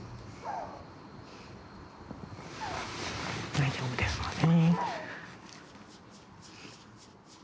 大丈夫ですのでね。